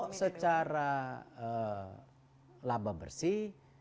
kalau secara laba bersih